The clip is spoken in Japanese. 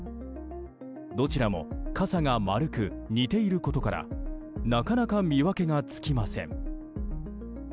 どちらもかさが丸く似ていることからなかなか見分けがつきません。